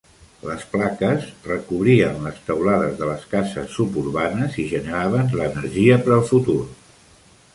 Les plaques recobrien les teulades de les cases suburbanes i generaven l'energia per al futur.